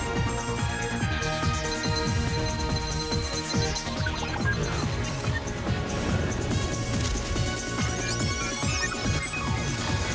โปรดติดตามตอนต่อไป